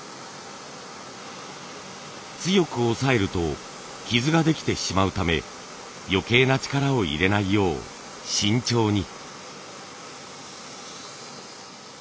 強く押さえると傷ができてしまうため余計な力を入れないよう慎重に。